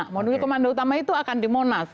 menuju komando utama itu akan di monas